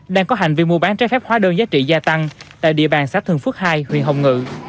đang có hành vi mua bán trái phép hóa đơn giá trị gia tăng tại địa bàn xã thường phước hai huyện hồng ngự